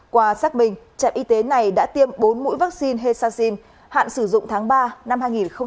qua xác minh trại y tế này đã tiêm bốn mũi vaccine hesaxin hạn sử dụng tháng ba năm hai nghìn hai mươi ba